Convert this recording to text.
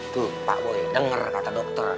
tuh pak boy dengar kata dokter